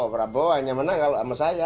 prabowo hanya menang kalau sama saya